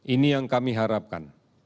ini yang kami harapkan